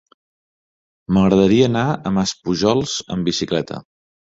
M'agradaria anar a Maspujols amb bicicleta.